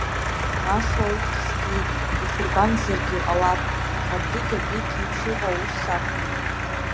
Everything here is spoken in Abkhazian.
Ашла, уххь згеит, усыргәамҵзаргьы ҟалап, аха абригь-абригь еиԥш иҟоу аус сақәшәеит.